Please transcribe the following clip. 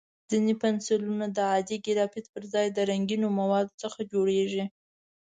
ځینې پنسلونه د عادي ګرافیت پر ځای د رنګینو موادو څخه جوړېږي.